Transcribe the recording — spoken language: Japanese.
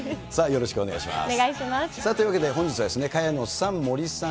さあ、よろしくお願いします。